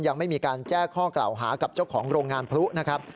ยังไม่มีการแจ้งข้อกล่าวหากับเจ้าของโรงงานพลุนะครับ